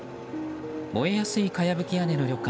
燃えやすい、かやぶき屋根の旅館